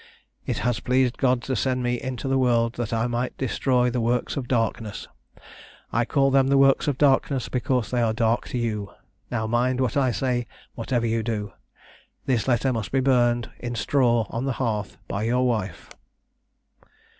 It has pleased God to send me into the world that I might destroy the works of darkness; I call them the works of darkness because they are dark to you now mind what I say whatever you do. This letter must be burned in straw on the hearth by your wife."